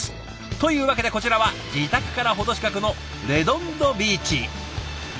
というわけでこちらは自宅からほど近くのレドンドビーチ。